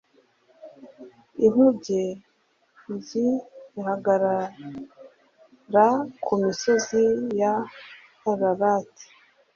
inkuge g ihagarara ku misozi ya ararati